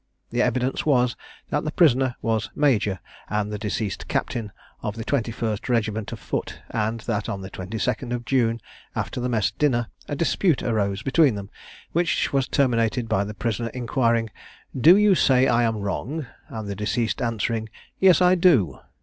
The evidence was, that the prisoner was major, and the deceased captain of the 21st regiment of Foot; and that on the 22nd of June, after the mess dinner, a dispute arose between them, which was terminated by the prisoner inquiring, "Do you say I am wrong?" and the deceased answering, "Yes, I do."